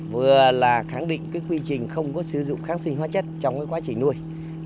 vừa là khẳng định quy trình không sử dụng kháng sinh hoá chất trong quá trình nuôi